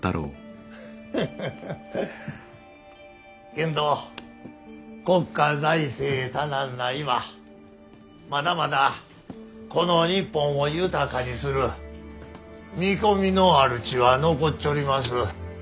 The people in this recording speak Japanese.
けんど国家財政多難な今まだまだこの日本を豊かにする見込みのある地は残っちょります。